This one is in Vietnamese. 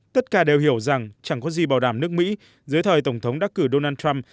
tất cả đều hiểu rằng chẳng có gì bảo đảm nước mỹ dưới thời tổng thống đắc cử donald trump